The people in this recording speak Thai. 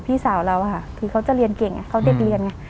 พี่สาวเราค่ะคือเขาจะเรียนเก่งไงเขาเด็กเรียนไง